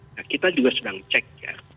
nah kita juga sedang cek ya